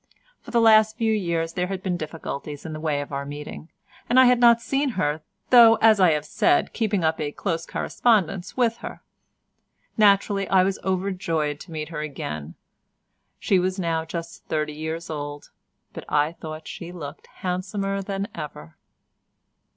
For the last few years there had been difficulties in the way of our meeting, and I had not seen her, though, as I have said, keeping up a close correspondence with her. Naturally I was overjoyed to meet her again; she was now just thirty years old, but I thought she looked handsomer than ever.